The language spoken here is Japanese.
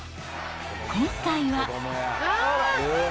今回は。